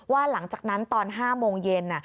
หลังจากนั้นตอน๕โมงเย็น